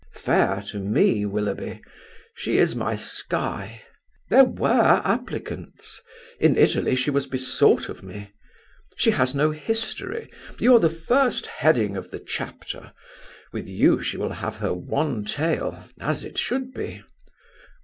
Fair to me, Willoughby! She is my sky. There were applicants. In Italy she was besought of me. She has no history. You are the first heading of the chapter. With you she will have her one tale, as it should be.